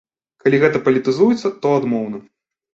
Калі гэта палітызуецца, то адмоўна.